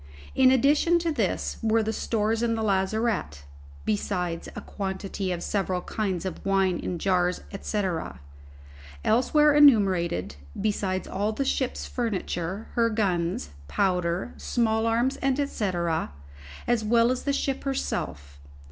In addition to this were the stores in the lazarette (besides a quantity of several kinds of wine in jars, &c.) elsewhere enumerated, besides all the ship's furniture, her guns, powder, small arms, &c, as well as the ship herself.